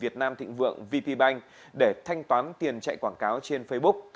việt nam thịnh vượng vp bank để thanh toán tiền chạy quảng cáo trên facebook